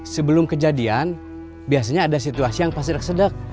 sebelum kejadian biasanya ada situasi yang pas sedek sedek